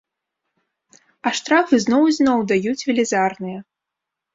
А штрафы зноў і зноў даюць велізарныя.